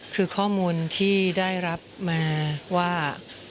คือข้อมูลที่ได้รับมาว่า